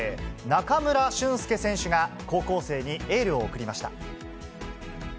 中村俊輔選手が高校生にエールを送りました。